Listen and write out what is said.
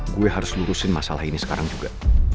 gue harus lurusin masalah ini sekarang juga